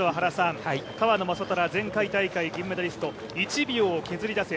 川野将虎前回大会銀メダリスト「１秒を削り出せ」。